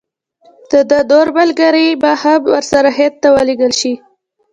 د ده نور ملګري به هم ورسره هند ته ولېږل شي.